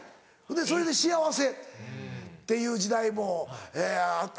それで幸せっていう時代もあって。